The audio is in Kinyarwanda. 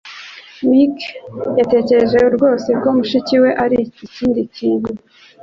Mike yatekereje rwose ko mushiki wawe arikindi kintu